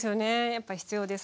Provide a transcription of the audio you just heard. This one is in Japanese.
やっぱ必要です。